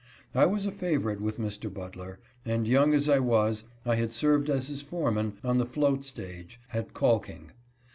I was a favorite with Mr. Butler, and, young as I was, I had served as his foreman, on the float stage, at calking.